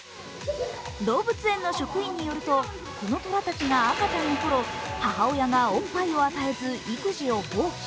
動物園の職員によるとこの虎たちが赤ちゃんの頃母親がおっぱいを与えず育児を放棄。